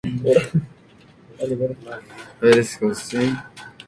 Fue enterrado en Arras.